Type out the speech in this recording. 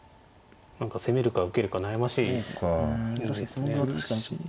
何か攻めるか受けるか悩ましいですね。